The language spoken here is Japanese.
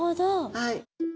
はい。